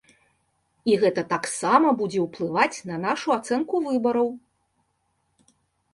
І гэта таксама будзе ўплываць на нашу ацэнку выбараў.